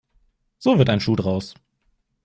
So wird ein Schuh daraus.